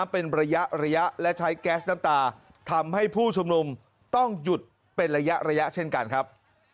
เป็นระยะระยะเช่นกันครับ